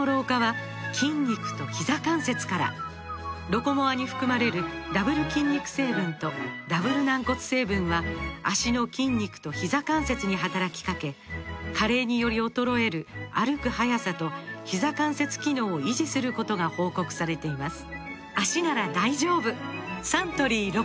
「ロコモア」に含まれるダブル筋肉成分とダブル軟骨成分は脚の筋肉とひざ関節に働きかけ加齢により衰える歩く速さとひざ関節機能を維持することが報告されています